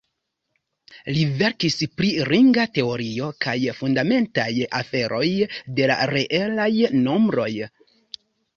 Li verkis pri ringa teorio kaj fundamentaj aferoj de la reelaj nombroj.